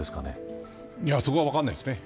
そこは分からないですね。